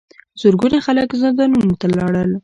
زرګونه خلک زندانونو ته لاړل.